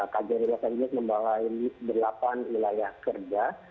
kjri los angeles membawa unit berlapan wilayah kerja